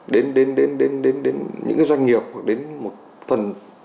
đến đến đến đến đến đến những cái doanh nghiệp đến một phần